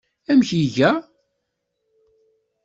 Amek iga?